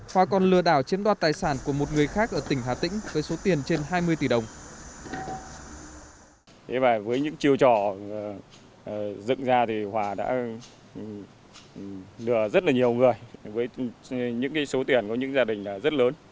hòa còn lừa đảo chiếm đoạt tài sản của một người khác ở tỉnh hà tĩnh với số tiền trên hai mươi tỷ đồng